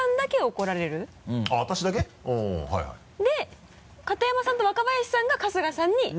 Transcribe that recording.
で片山さんと若林さんが春日さんに。